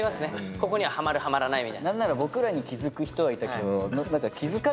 ここにはハマるハマらないって。